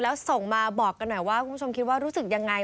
แล้วส่งมาบอกกันหน่อยว่าคุณผู้ชมคิดว่ารู้สึกยังไง